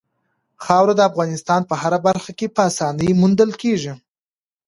خاوره د افغانستان په هره برخه کې په اسانۍ موندل کېږي.